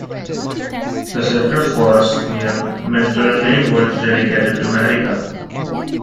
The sacred forest near Minturnae was dedicated to Marica.